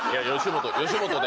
吉本で。